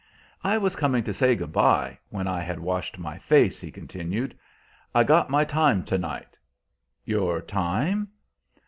"I was coming to say good by, when I had washed my face," he continued. "I got my time to night." "Your time?"